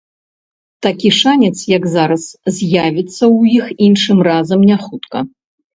Такі шанец, як зараз, з'явіцца ў іх іншым разам не хутка.